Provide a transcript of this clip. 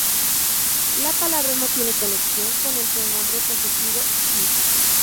La palabra no tiene conexión con el pronombre posesivo "his".